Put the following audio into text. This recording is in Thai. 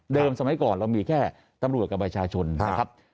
เดิมสมัยก่อนมีแค่ตำรวจกับบชาชนนะครับ